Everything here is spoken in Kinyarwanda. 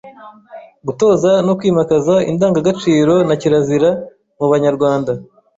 Gutoza no kwimakaza indangagaciro na kirazira mu Banyarwanda;